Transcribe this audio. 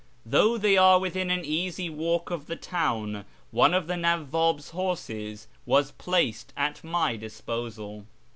Though they are within an easy walk of the town, one of the Nawwab's horses was placed at my disposal.